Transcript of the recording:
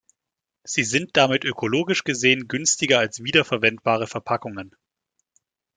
Sie sind damit ökologisch gesehen günstiger als wiederverwendbare Verpackungen.